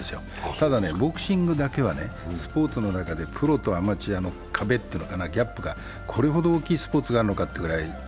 ただね、ボクシングだけはスポーツの中でプロとアマチュアの壁というかギャップがこれほど大きいのかというスポーツです。